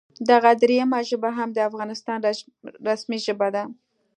دغه دریمه ژبه هم د افغانستان رسمي ژبه ده